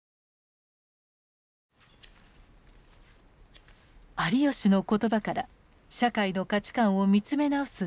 有吉の言葉から社会の価値観を見つめ直す女性たちがいます。